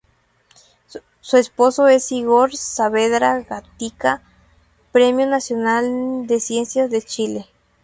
Su esposo es Igor Saavedra Gatica, Premio Nacional de Ciencias de Chile.